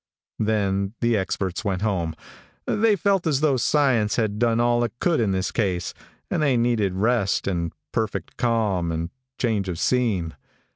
Then the experts went home. They felt as though science had done all it could in this case, and they needed rest, and perfect calm, and change of scene.